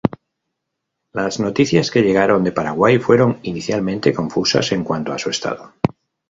Las noticias que llegaron de Paraguay fueron inicialmente confusas en cuanto a su estado.